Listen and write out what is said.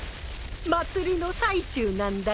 祭りの最中なんだって？